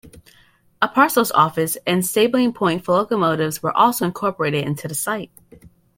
A parcels office and stabling point for locomotives were also incorporated into the site.